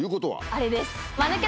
あれです。